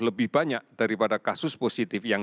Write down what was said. lebih banyak daripada kasus positif yang